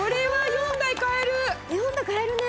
４台買えるね。